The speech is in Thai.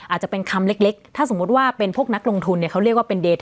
อาจจะเป็นคำเล็กถ้าสมมุติว่าเป็นพวกนักลงทุนเนี่ยเขาเรียกว่าเป็นเดท